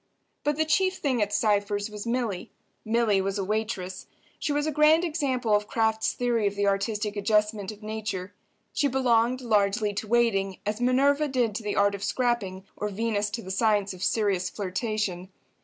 But the chief thing at Cypher's was Milly. Milly was a waitress. She was a grand example of Kraft's theory of the artistic adjustment of nature. She belonged, largely, to waiting, as Minerva did to the art of scrapping, or Venus to the science of serious flirtation.